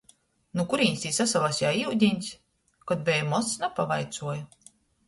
Nu kurīnis tī sasalaseja iudiņs? Kod beju mozs, napavaicuoju.